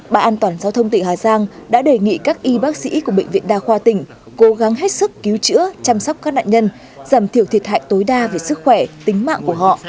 bà an toàn giao thông tỉnh hà giang đã đề nghị các y bác sĩ của bệnh viện đa khoa tỉnh cố gắng hết sức cứu chữa chăm sóc các nạn nhân giảm thiểu thiệt hại tối đa về sức khỏe tính mạng của họ